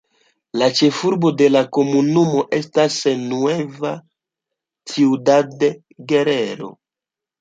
La ĉefurbo de la komunumo estas Nueva Ciudad Guerrero.